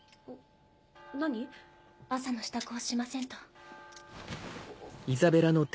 朝の支度をしませんと。